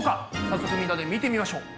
早速みんなで見てみましょう。